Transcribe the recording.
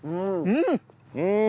うん！